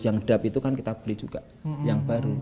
yang dap itu kan kita beli juga yang baru